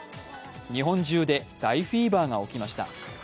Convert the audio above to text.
日本中で大フィーバーが起きました。